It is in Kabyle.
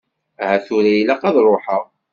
Ahat tura ilaq ad ṛuḥeɣ.